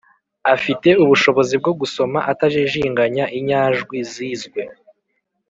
– afite ubushobozi bwo gusoma atajijinganya inyajwi zizwe